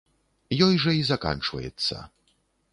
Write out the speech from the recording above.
Ёй жа і заканчваецца.